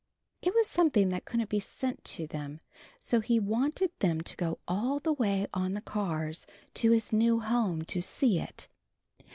It was something that couldn't be sent to them, so he wanted them to go all the way on the cars to his new home, to see it.